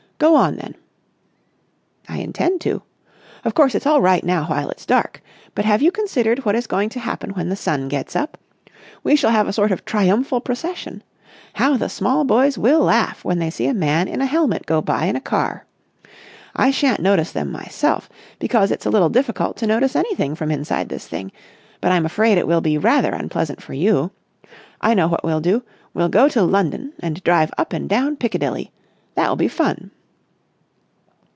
Go on, then!" "I intend to. Of course, it's all right now while it's dark. But have you considered what is going to happen when the sun gets up? We shall have a sort of triumphal procession. How the small boys will laugh when they see a man in a helmet go by in a car! I shan't notice them myself because it's a little difficult to notice anything from inside this thing, but I'm afraid it will be rather unpleasant for you.... I know what we'll do. We'll go to London and drive up and down Piccadilly! That will be fun!"